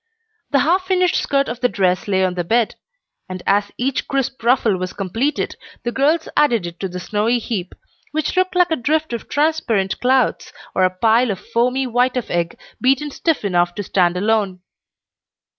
The half finished skirt of the dress lay on the bed; and as each crisp ruffle was completed, the girls added it to the snowy heap, which looked like a drift of transparent clouds or a pile of foamy white of egg beaten stiff enough to stand alone.